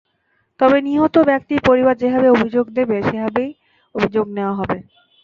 তবে নিহত ব্যক্তির পরিবার যেভাবে অভিযোগ দেবে, সেভাবেই অভিযোগ নেওয়া হবে।